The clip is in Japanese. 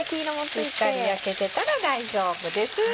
しっかり焼けてたら大丈夫です。